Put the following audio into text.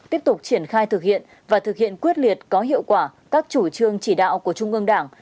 tiếp tục triển khai thực hiện và thực hiện quyết liệt có hiệu quả các chủ trương chỉ đạo của trung ương đảng